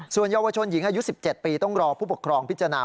ส่วนเยาวชนหญิงอายุ๑๗ปีต้องรอผู้ปกครองพิจารณา